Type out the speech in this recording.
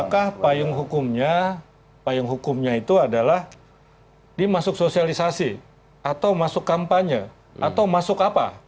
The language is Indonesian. apakah payung hukumnya payung hukumnya itu adalah dimasuk sosialisasi atau masuk kampanye atau masuk apa